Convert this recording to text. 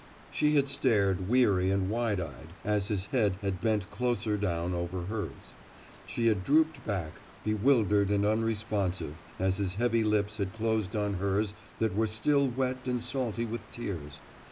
She had stared, weary and wide eyed, as his head had bent closer down over hers. She had drooped back, bewildered and unresponsive, as his heavy lips had closed on hers that were still wet and salty with tears.